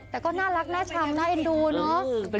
แต่ก็น่ารักน่าชังน่าเอ็นดูเนาะ